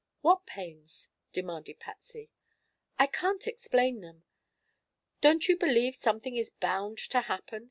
"What pains?" demanded Patsy. "I can't explain them. Don't you believe something is bound to happen?"